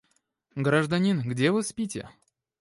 Гражданин, где вы спите?